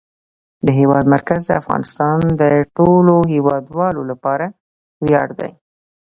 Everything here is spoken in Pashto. د هېواد مرکز د افغانستان د ټولو هیوادوالو لپاره ویاړ دی.